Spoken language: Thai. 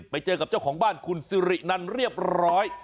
ไปเจอกับเจ้าของบ้านคุณสิรินันเรียบร้อย